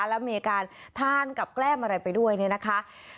และมีอันการทานกับแกล้มอะไรไปด้วยนะคะ